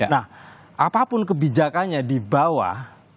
nah apapun kebijakannya di bawah